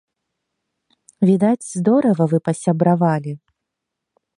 Відаць, здорава вы пасябравалі.